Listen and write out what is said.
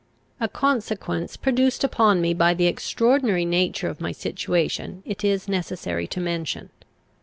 A consequence produced upon me by the extraordinary nature of my situation it is necessary to mention.